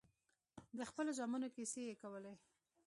د خپلو زامنو کيسې يې کولې.